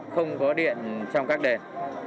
không có điện trong các đền